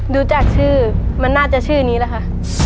ดูจากชื่อมันน่าจะชื่อนี้แหละค่ะ